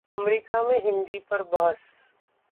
America में हिंदी पर बहस